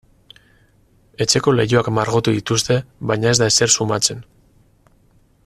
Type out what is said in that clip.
Etxeko leihoak margotu dituzte baina ez da ezer sumatzen.